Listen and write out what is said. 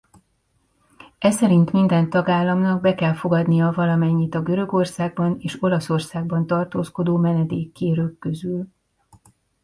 Eszerint minden tagállamnak be kell fogadnia valamennyit a Görögországban és Olaszországban tartózkodó menedékkérők közül.